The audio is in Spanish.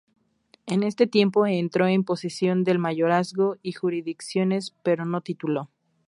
En este tiempo entró en posesión del mayorazgo y jurisdicciones, pero no tituló.